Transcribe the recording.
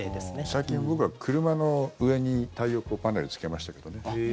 最近、僕は車の上に太陽光パネルをつけましたけどね。